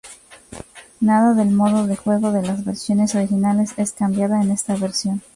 Nada del modo de juego de las versiones originales, es cambiada en esta versión.